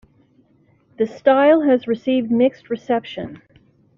The style has received mixed reception.